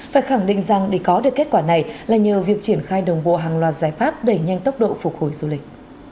phải khẳng định rằng để có được kết quả này là nhờ việc triển khai đồng bộ hàng loạt giải pháp đẩy nhanh tốc độ phục hồi du lịch